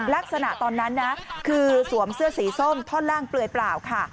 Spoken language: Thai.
ลักษณะตอนนั้นนะคือสวมเสื้อสีส้มท่อนล่างเปลือยเปล่าค่ะ